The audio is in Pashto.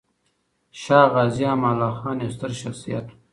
شاه غازي امان الله خان يو ستر شخصيت و.